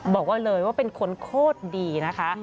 บอกว่าเลยว่าเป็นคนโคตรดีนะคะ